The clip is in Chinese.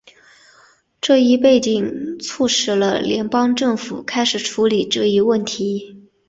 这一背景促使了联邦政府开始处理这一问题。